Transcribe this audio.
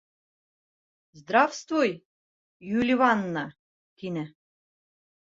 — Здравствуй, Юливанна! — тине.